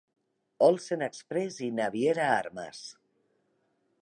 Olsen Express i Naviera Armas.